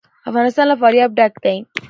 افغانستان له فاریاب ډک دی.